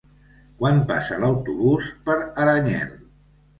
Quan passa l'autobús per Aranyel?